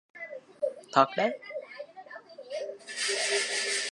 Thật đấy